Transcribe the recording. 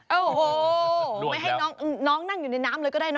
โอ้โหหนูไม่ให้น้องนั่งอยู่ในน้ำเลยก็ได้นะ